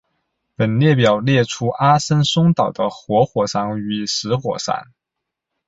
本列表列出阿森松岛的活火山与死火山。